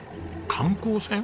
観光船？